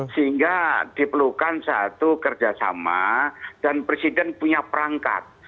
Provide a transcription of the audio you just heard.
sehingga diperlukan satu kerjasama dan presiden punya perangkat